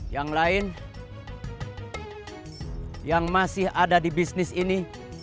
yang lain yang masih ada di bisnis ini